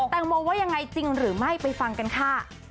แตงโมว่ายังไงจริงหรือไม่ไปฟังกันค่ะ